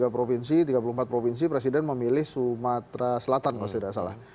tiga provinsi tiga puluh empat provinsi presiden memilih sumatera selatan kalau saya tidak salah